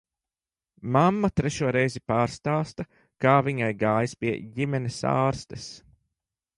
Mamma trešo reizi pārstāsta, kā viņai gājis pie ģimenes ārstes.